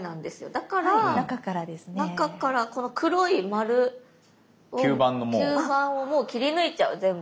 だから中からこの黒い丸を吸盤をもう切り抜いちゃう全部。